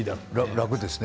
楽ですね。